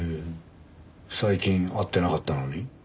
最近会ってなかったのに？